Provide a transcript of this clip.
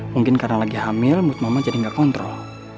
mungkin karena lagi hamil mood ma jadi nggak kontrol